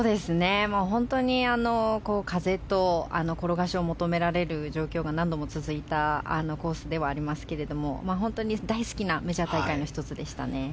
本当に風と転がしを求められる状況が何度も続いたコースではありますけれども本当に大好きなメジャー大会の１つでしたね。